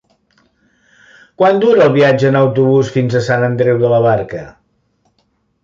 Quant dura el viatge en autobús fins a Sant Andreu de la Barca?